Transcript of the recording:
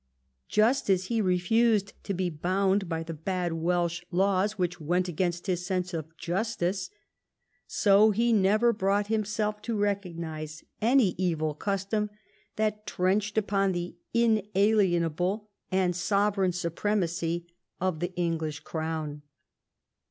Just as he refused to be bound by the bad Welsh laws which went against his sense of justice, so he never brought himself to recognise any evil custom that trenched upon the inalienable and sovereign supremacy of the English 124 EDWARD I chap. crown.